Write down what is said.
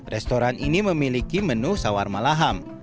restoran ini memiliki menu sawar malaham